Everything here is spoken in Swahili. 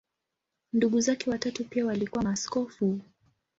Ndugu zake watatu pia walikuwa maaskofu.